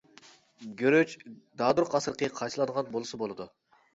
گۈرۈچ، دادۇر قاسرىقى قاچىلانغان بولسا بولىدۇ.